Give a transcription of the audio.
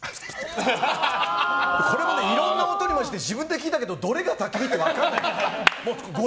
これも、いろんな音に混じって自分で聞いたけどどれが焚き火って分からない。